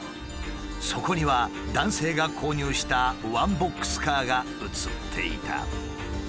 そこには男性が購入したワンボックスカーが写っていた。